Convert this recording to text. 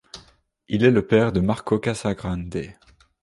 Il est le père de Marco Casagrande.